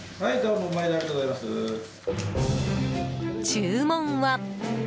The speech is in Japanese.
注文は。